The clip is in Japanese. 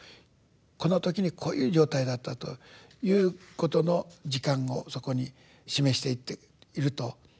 この時にこういう状態だったということの時間をそこに示していっていると。